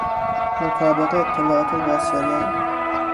مطابق اطالاعات واصله